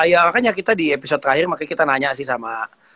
ya makanya kita di episode terakhir makanya kita nanya sih sama